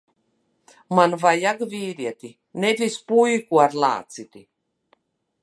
Man vajag vīrieti, nevis puiku ar lācīti.